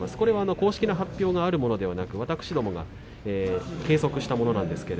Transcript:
公式の発表があるものではなくて私どもが計測したものです。